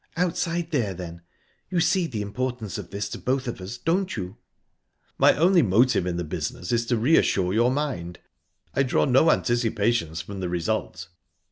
"Outside there, then. You see the importance of this to both of us, don't you?" "My only motive in the business is to re assure your mind. I draw no anticipations from the result."